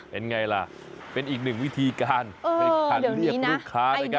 เป็นไงล่ะเป็นอีกหนึ่งวิธีการในการเรียกลูกค้านะครับ